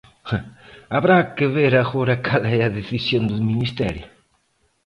Haberá que ver agora cal é a decisión do ministerio.